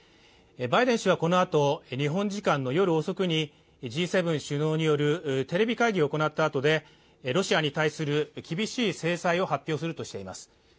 バイデン氏はこのあと、日本時間の夜遅くにＧ７首脳によるテレビ会議を行ったあとでロシアに対する厳しい制裁を発表するとしています。